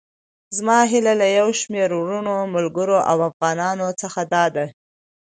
زما هيله له يو شمېر وروڼو، ملګرو او افغانانو څخه داده.